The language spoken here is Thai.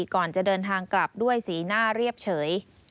ก่อนจะเดินทางกลับด้วยสีหน้าเรียบเฉย